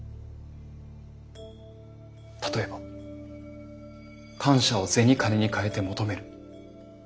例えば感謝を銭金にかえて求める。